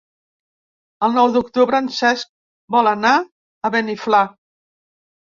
El nou d'octubre en Cesc vol anar a Beniflà.